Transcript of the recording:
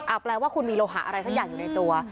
แปลว่าคุณมีโลหะอะไรสักอย่างอยู่ในตัว